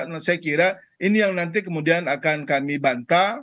nah saya kira ini yang nanti kemudian akan kami bantah